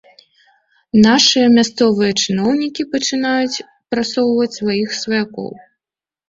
Нашыя мясцовыя чыноўнікі пачынаюць прасоўваць сваіх сваякоў.